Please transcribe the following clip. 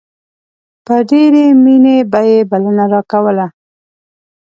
په ډېرې مينې به يې بلنه راکوله.